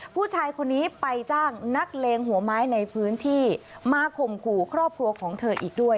ผู้ชายคนนี้ไปจ้างนักเลงหัวไม้ในพื้นที่มาข่มขู่ครอบครัวของเธออีกด้วย